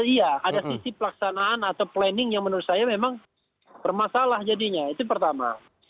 iya ada sisi pelaksanaan atau planning yang menurut saya memang bermasalah jadinya itu pertama